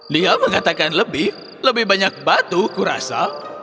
lia mengatakan lebih lebih banyak batu kurasa